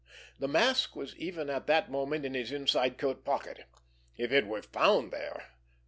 The mask was even at that moment in his inside coat pocket. If it were found there!